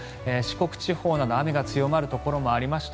四国地方など雨が強まるところもありました。